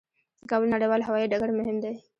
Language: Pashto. د کابل نړیوال هوايي ډګر مهم دی